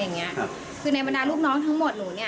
ขอมีเพศสัมพันธ์อะไรอย่างนี้